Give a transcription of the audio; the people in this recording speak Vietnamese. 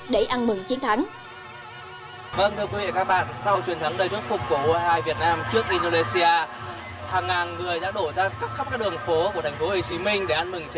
để ăn mừng chiến thắng